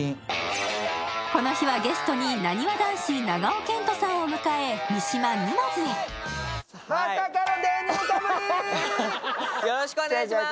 この日はゲストになにわ男子長尾謙杜さんを迎え三島沼津へよろしくお願いします！